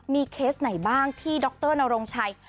มีเคสไหนบ้างที่ดรนโรงชัย